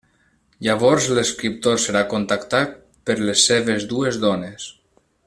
Llavors l’escriptor serà contactat per les seves dues dones.